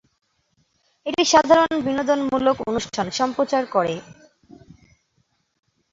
এটি সাধারণ বিনোদনমূলক অনুষ্ঠান সম্প্রচার করে।